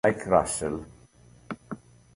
Mike Russell